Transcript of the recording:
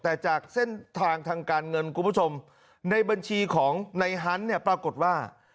แต่จากเส้นทางทางการเงินคุณผู้ชมในบัญชีของในฮันต์เนี่ยปรากฏว่า